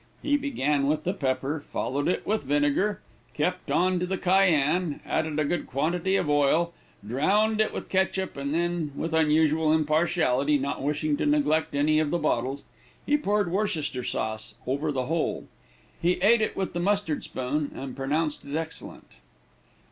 He began with the pepper, followed it with vinegar, kept on to the Cayenne, added a good quantity of oil, drowned it with ketchup, and then with unusual impartiality, not wishing to neglect any of the bottles, he poured Worcestershire sauce over the whole. He eat it with the mustard spoon and pronounced it excellent.